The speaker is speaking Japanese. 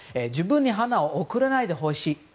自分に花を贈らないでほしい。